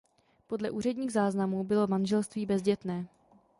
Podle úředních záznamů bylo manželství bezdětné.